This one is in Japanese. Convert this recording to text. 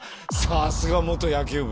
さすが元野球部！